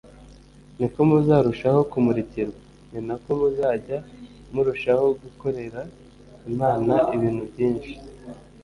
niko muzarushaho kumurikirwa, ni nako muzajya murushaho gukorera Imana ibintu byinshi.